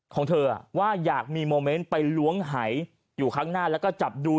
ของเธอว่าอยากมีโมเมนต์ไปล้วงหายอยู่ข้างหน้าแล้วก็จับดู